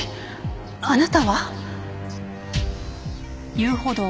あなたは？